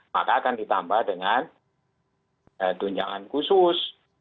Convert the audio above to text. maka akan ditambah dengan tunjangan khusus